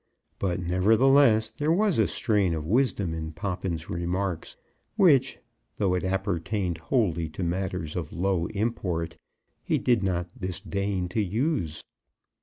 But, nevertheless, there was a strain of wisdom in Poppins' remarks which, though it appertained wholly to matters of low import, he did not disdain to use.